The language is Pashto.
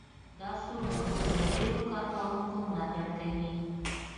دا سرور د ډېرو کاروونکو ملاتړ کوي.